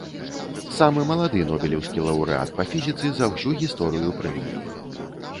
Самы малады нобелеўскі лаўрэат па фізіцы за ўсю гісторыю прэміі.